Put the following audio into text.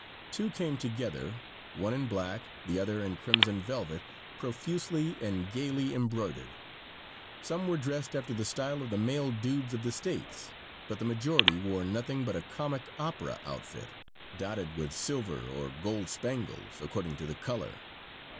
Two came together, one in black, the other in crimson velvet, profusely and gayly embroidered. Some were dressed after the style of the male dudes of the States, but the majority wore nothing but a comic opera outfit, dotted with silver or gold spangles, according to the color.